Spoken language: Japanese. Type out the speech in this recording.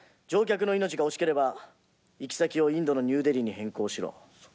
乗客の命が惜しければ行き先をインドのニューデリーに変更しろ。